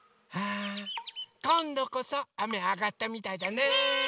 あこんどこそあめあがったみたいだね！ね！